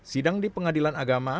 sidang di pengadilan agama